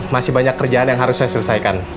masih banyak kerjaan yang harus saya selesaikan